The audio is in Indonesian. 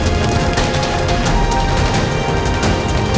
kamu telah membuat andriku menderita